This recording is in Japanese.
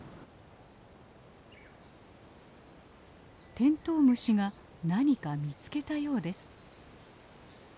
テントウムシが何か見つけたようです。